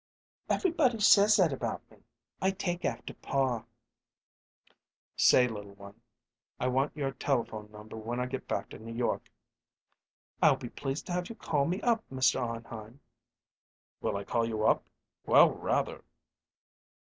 "Everybody says that about me. I take after paw." "Say, little one, I want your telephone number when I get back to New York." "I'll be pleased to have you call me up, Mr. Arnheim." "Will I call you up? Well, rather!"